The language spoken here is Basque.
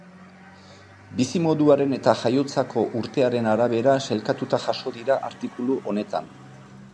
Bizimoduaren eta jaiotzako urtearen arabera sailkatuta jaso dira artikulu honetan.